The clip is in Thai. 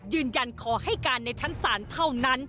ยืนยันขอให้การในชั้นศาลเท่านั้น